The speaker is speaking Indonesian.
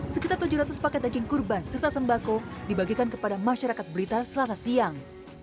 sekitar tujuh ratus paket daging kurban serta sembako dibagikan kepada masyarakat blitar selasa siang